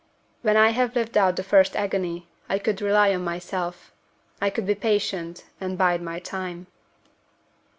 When I had lived out the first agony, I could rely on myself I could be patient, and bide my time."